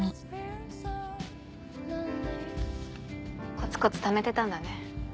コツコツためてたんだね